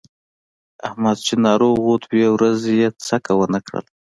احمد چې ناروغ و دوه ورځې یې څکه ونه کړله.